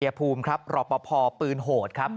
ชายภูมิครับรอบปะพอปืนโหดครับ